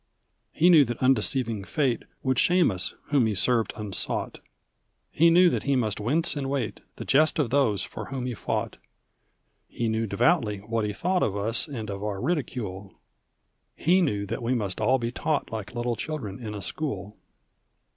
He knew that undeceiving fate Would shame us whom he served unsought; He knew Aat he must wince and wait — The jest of those for whom he fought; He knew devoutly what he thought Of us and of our ridicule; He knew that we must all be taught Like little children in a school.